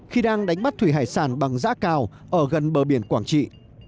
khi đang đánh bắt thủy hải sản bằng giã cào ở gần bờ biển quảng trị